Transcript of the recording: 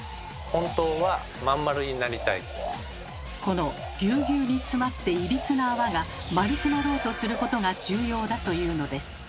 本当はこのぎゅうぎゅうにつまっていびつな泡が丸くなろうとすることが重要だというのです。